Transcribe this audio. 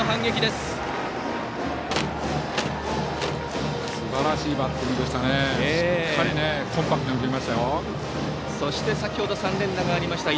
すばらしいバッティングでした。